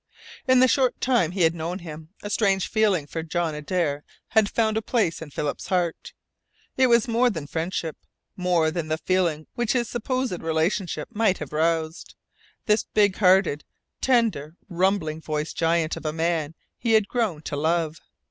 In the short time he had known him, a strange feeling for John Adare had found a place in Philip's heart. It was more than friendship, more than the feeling which his supposed relationship might have roused. This big hearted, tender, rumbling voiced giant of a man he had grown to love.